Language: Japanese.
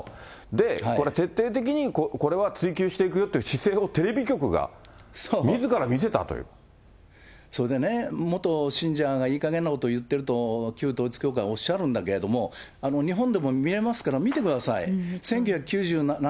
で、これ、徹底的にこれは追及していくよっていう姿勢をテレビ局がみずからそれでね、元信者がいいかげんなこと言ってると、旧統一教会はおっしゃるんだけれども、日本でも見れますから見てください。